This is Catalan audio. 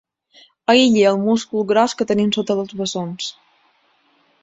Aïlli el múscul gros que tenim sota els bessons.